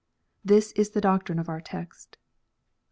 This is the doctrine of the text.